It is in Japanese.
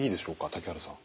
竹原さん。